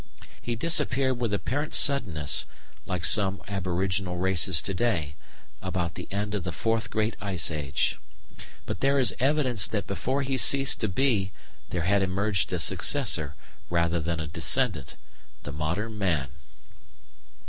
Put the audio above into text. He disappeared with apparent suddenness (like some aboriginal races to day) about the end of the Fourth Great Ice Age; but there is evidence that before he ceased to be there had emerged a successor rather than a descendant the modern man.